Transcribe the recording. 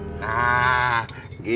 nah jangan ifah hafal